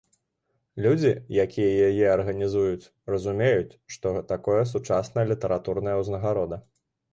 Людзі, якія яе арганізуюць, разумеюць, што такое сучасная літаратурная ўзнагарода.